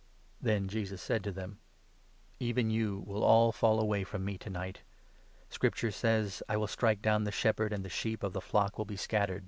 Then Jesus said to them : "Even you will all fall away from me to night. Scripture says —' I will strike down the shepherd, and the sheep of the flock will be scattered.'